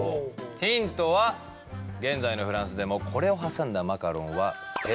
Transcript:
ヒントは現在のフランスでもこれを挟んだマカロンは定番の一つ。